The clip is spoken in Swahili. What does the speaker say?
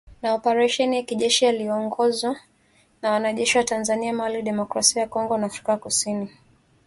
Na oparesheni ya kijeshi yaliyoongozwa na wanajeshi wa Tanzania, Malawi, Demokrasia ya Kongo na Afrika kusini